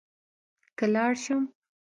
که لاړ شم.